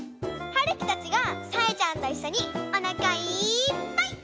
はるきたちがさえちゃんといっしょにおなかいっぱいたべているところです！